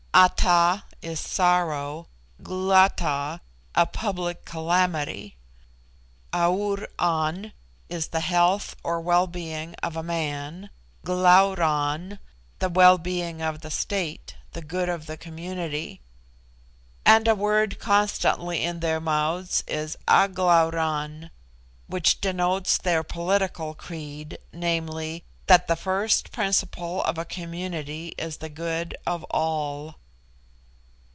Ata is sorrow; Glata, a public calamity. Aur an is the health or wellbeing of a man; Glauran, the wellbeing of the state, the good of the community; and a word constantly in ther mouths is A glauran, which denotes their political creed viz., that "the first principle of a community is the good of all."